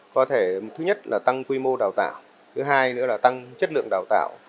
có thể thứ nhất là tăng quy mô đào tạo thứ hai nữa là tăng chất lượng đào tạo